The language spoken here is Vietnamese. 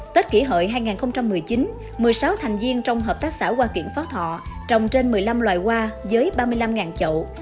tết kỷ hợi hai nghìn một mươi chín một mươi sáu thành viên trong hợp tác xã hoa kiển phó thọ trồng trên một mươi năm loài hoa với ba mươi năm chậu